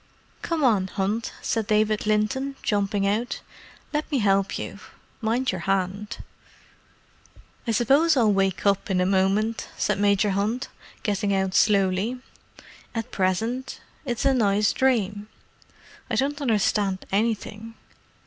"Come on, Hunt," said David Linton, jumping out. "Let me help you—mind your hand." "I suppose I'll wake up in a moment," said Major Hunt, getting out slowly. "At present, it's a nice dream. I don't understand anything.